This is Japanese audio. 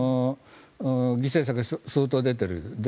犠牲者が相当出ている。